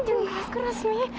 jangan masker masmi